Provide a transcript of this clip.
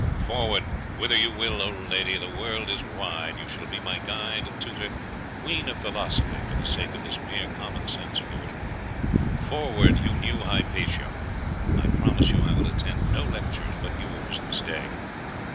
'Forward! Whither you will, old lady! The world is wide. You shall be my guide, tutor, queen of philosophy, for the sake of this mere common sense of yours. Forward, you new Hypatia! I promise you I will attend no lectures but yours this day!